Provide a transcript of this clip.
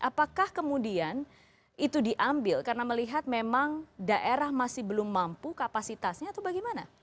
apakah kemudian itu diambil karena melihat memang daerah masih belum mampu kapasitasnya atau bagaimana